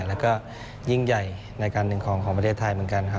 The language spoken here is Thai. แล้วก็ยิ่งใหญ่ในการหนึ่งของประเทศไทยเหมือนกัน